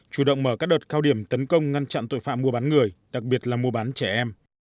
chủ động mở các đợt cao điểm tấn công ngăn chặn tội phạm mua bán người đặc biệt là mua bán trẻ em